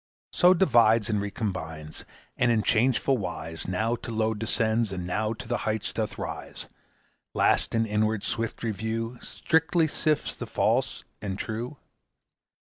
So divides and recombines, And in changeful wise Now to low descends, and now To the height doth rise; Last in inward swift review Strictly sifts the false and true?